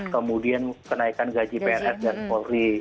kemudian kenaikan gaji pns